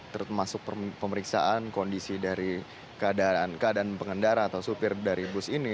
termasuk pemeriksaan kondisi dari keadaan pengendara atau supir dari bus ini